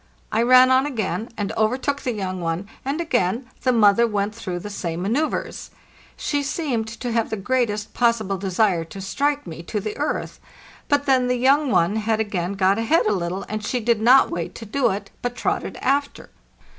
I ran on again and overtook the young one, and again the mother went through the same manceuvres; she seemed to have the greatest possible desire to strike me to the earth, but then the young one had again got ahead a little, and she did not wait to do it, but trotted after.